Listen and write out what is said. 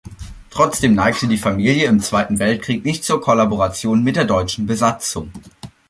Trotzdem neigte die Familie im Zweiten Weltkrieg nicht zur Kollaboration mit der deutschen Besatzung.